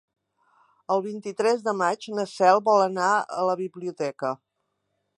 El vint-i-tres de maig na Cel vol anar a la biblioteca.